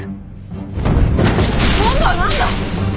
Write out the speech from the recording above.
今度は何だ？